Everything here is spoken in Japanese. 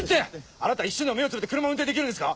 あなた一瞬でも目をつぶって車運転できるんですか？